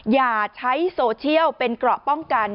อย่าใช้โซเชียลเป็นเกราะป้องกัน